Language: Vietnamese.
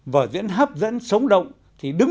vở diễn hấp dẫn sống động thì đứng